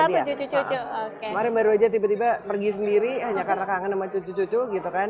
kemarin baru aja tiba tiba pergi sendiri hanya karena kangen sama cucu cucu gitu kan